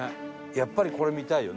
やっぱりこれ見たいよね。